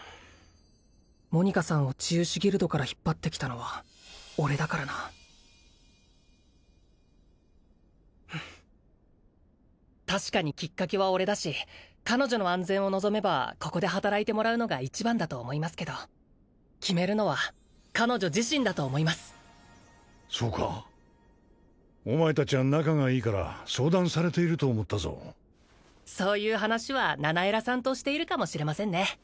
モニカさんを治癒士ギルドから引っ張ってきたのは俺だからな確かにきっかけは俺だし彼女の安全を望めばここで働いてもらうのが一番だと思いますけど決めるのは彼女自身だと思いますそうかお前達は仲がいいから相談されていると思ったぞそういう話はナナエラさんとしているかもしれませんね